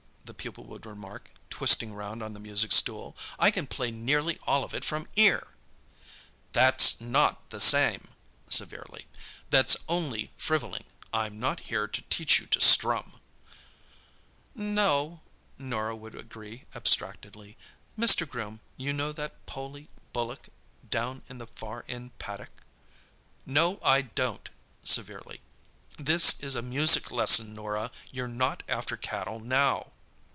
the pupil would remark, twisting round on the music stool; "I can play nearly all of it from ear!" "That's not the same"—severely—"that's only frivolling. I'm not here to teach you to strum." "No" Norah would agree abstractedly. "Mr. Groom, you know that poley bullock down in the far end paddock—" "No, I don't," severely. "This is a music lesson, Norah; you're not after cattle now!"